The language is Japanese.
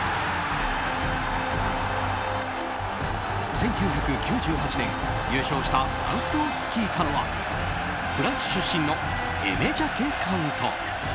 １９９８年優勝したフランスを率いたのはフランス出身のエメ・ジャケ監督。